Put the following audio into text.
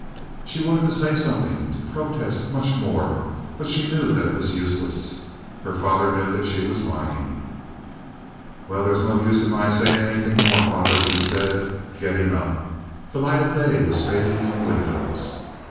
She wanted to say something, to protest much more; but she knew that it was useless. Her father knew that she was lying. "Well, there's no use of my saying anything more, father," she said, getting up. The light of day was fading in the windows.